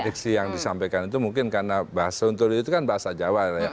diksi yang disampaikan itu mungkin karena bahasa untuk itu kan bahasa jawa